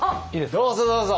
どうぞどうぞ！